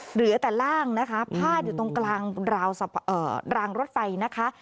เหลือแต่ร่างนะคะพาดอยู่ตรงกลางรางรถไฟนะคะ